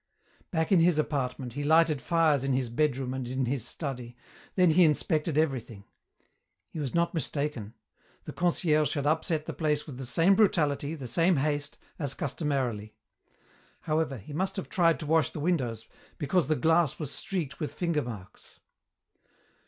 Back in his apartment, he lighted fires in his bedroom and in his study, then he inspected everything. He was not mistaken. The concierge had upset the place with the same brutality, the same haste, as customarily. However, he must have tried to wash the windows, because the glass was streaked with finger marks.